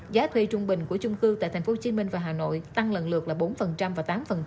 giá thuê trung bình của chung cư tại tp hcm và hà nội tăng lần lượt là bốn và tám